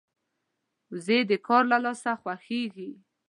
وزې د کار د لاسه خوښيږي